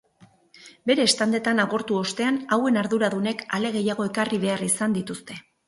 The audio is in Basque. Bere standetan agortu ostean hauen arduradunek ale gehiago ekarri behar izan dituzte.